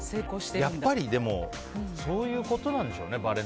やっぱり、でもそういうことなんでしょうね。